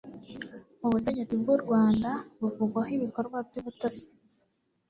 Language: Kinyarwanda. Ubutegetsi bw'u Rwanda buvugwaho ibikorwa by'ubutasi